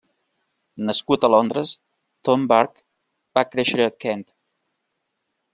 Nascut a Londres, Tom Burke va créixer a Kent.